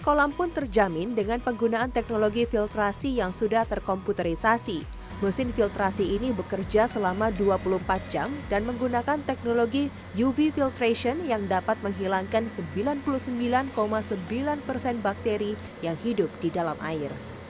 kepala penggunaan teknologi ini juga dapat menggunakan teknologi uv filtration yang dapat menghilangkan sembilan puluh sembilan sembilan persen bakteri yang hidup di dalam air